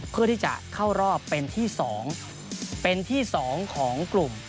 เพื่อที่จะเข้ารอบเป็นที่๒ของกลุ่ม